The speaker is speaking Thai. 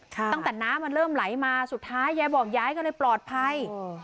ตั้งแต่น้ำมันเริ่มไหลมาสุดท้ายยายบอกยายก็เลยปลอดภัย